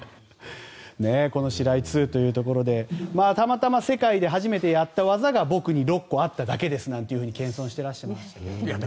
シライ２というところでたまたま世界で初めてやった技が僕に６個あっただけですと謙遜していらっしゃいましたけどね。